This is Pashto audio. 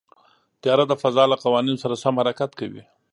طیاره د فضا له قوانینو سره سم حرکت کوي.